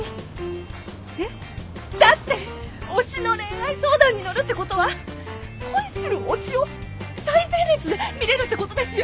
えっ？だって推しの恋愛相談に乗るってことは恋する推しを最前列で見れるってことですよ！